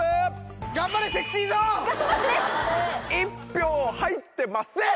１票入ってません！